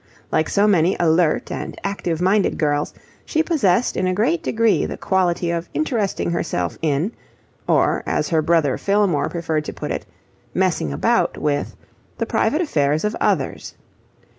Like so many alert and active minded girls, she possessed in a great degree the quality of interesting herself in or, as her brother Fillmore preferred to put it, messing about with the private affairs of others.